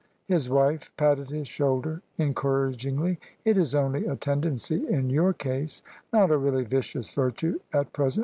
His wife patted his shoulder encouragingly. " It is only a tendency in your case — not a really vicious virtue at present.